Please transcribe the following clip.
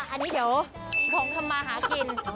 อันนี้เดี๋ยวมีของทำมาหากิน